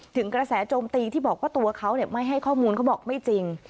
ถึงกระแสโจมตีที่บอกว่าตัวเขาไม่ให้ข้อมูลเขาบอกไม่จริง